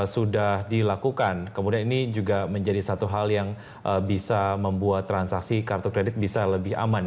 sudah dilakukan kemudian ini juga menjadi satu hal yang bisa membuat transaksi kartu kredit bisa lebih aman